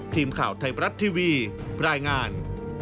ทีมข่าวไทยบรัฐทีวีรายงาน